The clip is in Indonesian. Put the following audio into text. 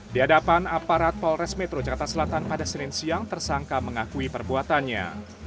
di hadapan aparat polres metro jakarta selatan pada senin siang tersangka mengakui perbuatannya